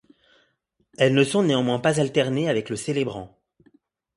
Elles ne sont néanmoins pas alternées avec le célébrant.